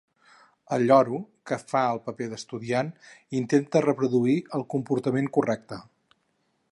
El lloro, que fa el paper d'estudiant, intenta reproduir el comportament correcte.